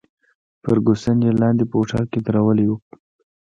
فرګوسن یې لاندې په هوټل کې ودرولې وه.